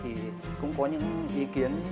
thì cũng có những ý kiến